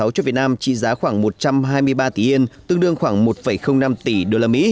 hai nghìn một mươi sáu cho việt nam trị giá khoảng một trăm hai mươi ba tỷ yên tương đương khoảng một năm tỷ usd